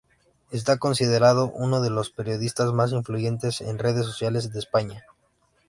Está considerado uno de los periodistas más influyentes en redes sociales de España.